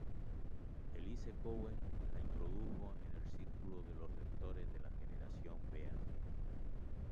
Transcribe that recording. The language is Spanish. Elise Cowen la introdujo en el círculo de los escritores de la generación beat.